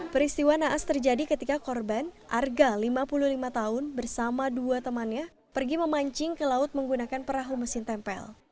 peristiwa naas terjadi ketika korban arga lima puluh lima tahun bersama dua temannya pergi memancing ke laut menggunakan perahu mesin tempel